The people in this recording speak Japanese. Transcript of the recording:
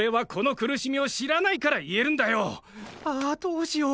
ああどうしよう。